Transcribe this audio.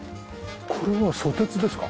これはソテツですか？